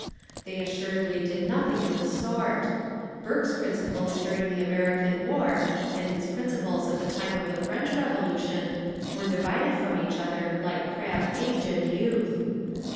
They assuredly did nothing of the sort. Burke's principles during the American War and his principles at the time of the French Revolution were divided from each other like crabbed age and youth.